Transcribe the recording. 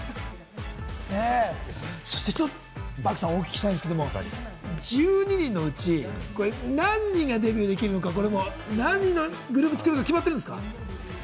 そしてＰａｒｋさん、お聞きしたいんですけれども、１２人のうち、何人がデビューできるのか、何人のグループを作るのか決まってるんですか？